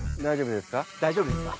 大丈夫ですか？